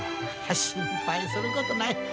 心配することない。